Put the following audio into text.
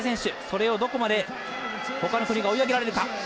それをどこまでほかの国が追い上げられるか。